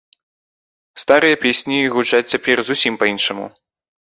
Старыя песні гучаць цяпер зусім па-іншаму.